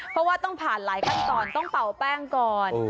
เพราะว่าต้องผ่านหลายขั้นตอนต้องเป่าแป้งก่อน